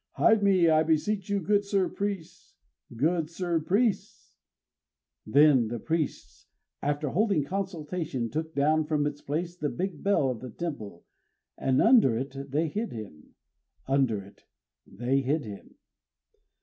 hide me, I beseech you, good sir priests! "Good sir priests!" Then the priests, after holding consultation, took down from its place the big bell of the temple; and under it they hid him, Under it they hid him.